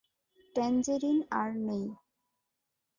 Tangerine আর নেই।